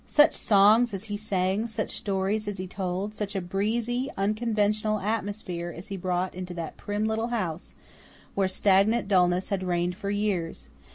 Such songs as he sang, such stories as he told, such a breezy, unconventional atmosphere as he brought into that prim little house, where stagnant dullness had reigned for years!